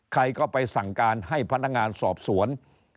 ใครก็ไปสั่งการให้พนักงานสอบสวน